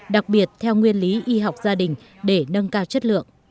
đặc biệt theo nguyên lý y học gia đình để nâng cao chất lượng